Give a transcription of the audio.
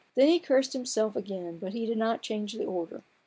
Then he cursed himself again, but he did not change the order.